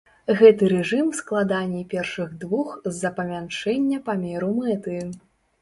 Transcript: Гэты рэжым складаней першых двух з-за памяншэння памеру мэты.